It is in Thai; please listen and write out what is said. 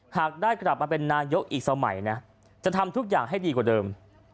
หากได้กลับมาเป็นนายกอีกสมัยนะจะทำทุกอย่างให้ดีกว่าเดิม